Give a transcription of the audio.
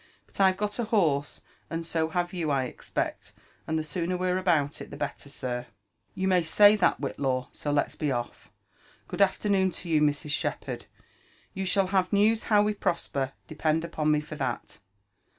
Bui I've got a horse, and so have you, I expect ; and the sooner we're ahout it the better, sir." You may say that» Whitlaw, so let's be off. Good afternooD to youi Mrs. Shepherd : you shall have news how we prosper, depend upon me for that."